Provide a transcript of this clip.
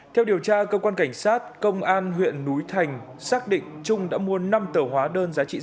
theo điều tra cơ quan cảnh sát công an huyện núi thành xác định trung đã mua năm tờ hóa đơn giá trị